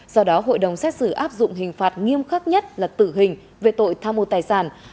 do đó hội đồng xét xử áp dụng hình phạt nghiêm khắc nhất là tử hình về tội tham mô tài sản